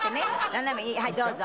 斜めにはいどうぞ。